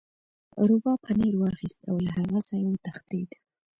روباه پنیر واخیست او له هغه ځایه وتښتید.